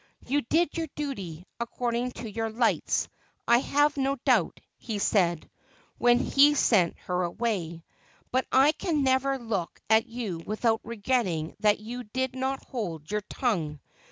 ' You did your duty, according to your lights, I have no doubt,' he said, when he sent her away ;' but I can never look at you without regretting that you did not hold your tongue.